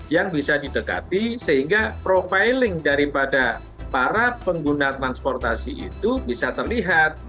yang bisa didekati sehingga profiling daripada para pengguna transportasi itu bisa terlihat